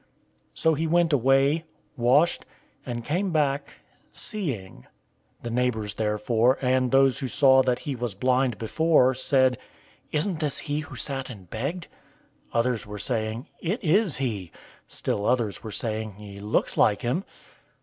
So he went away, washed, and came back seeing. 009:008 The neighbors therefore, and those who saw that he was blind before, said, "Isn't this he who sat and begged?" 009:009 Others were saying, "It is he." Still others were saying, "He looks like him."